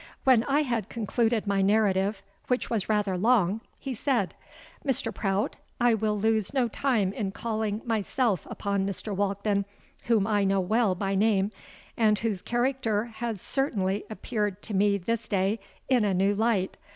When I had concluded my narrative, which was rather long, he said, 'Mr. Prout, I will lose no time in calling myself upon Mr. Walkden, whom I know well by name, and whose character has certainly appeared to me this day in a new light.